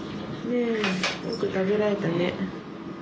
ねえよく食べられたね。